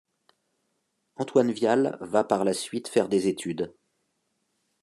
Antoine Vial va par la suite faire des études.